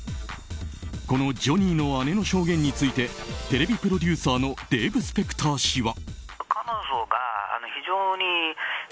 このジョニーの姉の証言についてテレビプロデューサーのデーブ・スペクター氏は。